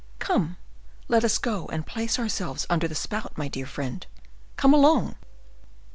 Come, let us go and place ourselves under the spout, my dear friend! Come along."